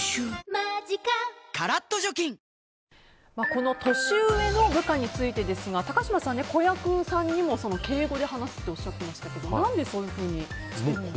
この年上の部下についてですが高嶋さん、子役さんにも敬語で話すとおっしゃっていましたけど何でそういうふうにしてるんですか。